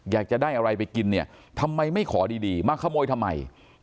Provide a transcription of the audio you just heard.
อยากจะได้อะไรไปกินเนี่ยทำไมไม่ขอดีมาขโมยทำไม